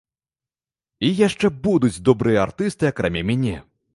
І яшчэ будуць добрыя артысты акрамя мяне.